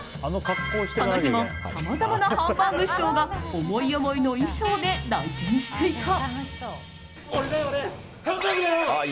この日もさまざまなハンバーグ師匠が思い思いの衣装で来店していた。